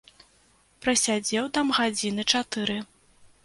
Прасядзеў там гадзіны чатыры.